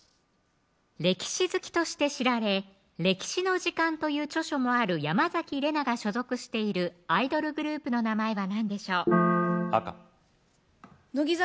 歴史好きとして知られ歴史のじかんとい山崎怜奈が所属しているアイドルグループの名前は何でしょう赤乃木坂